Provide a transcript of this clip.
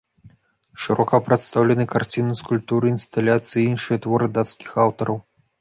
Шырока прадстаўлены карціны, скульптуры, інсталяцыі і іншыя творы дацкіх аўтараў.